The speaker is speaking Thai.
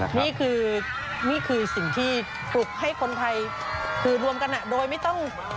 นี่คือนี่คือสิ่งที่ปลุกให้คนไทยคือรวมกันโดยไม่ต้อง